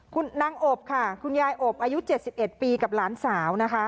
คุณนางอบค่ะคุณยายอบอายุเจ็ดสิบเอ็ดปีกับหลานสาวนะคะ